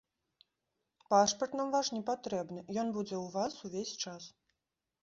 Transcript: Пашпарт нам ваш не патрэбны, ён будзе ў вас увесь час.